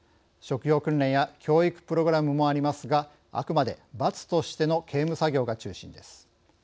職業訓練や教育プログラムもありますがあくまで罰としての刑務作業が中心です。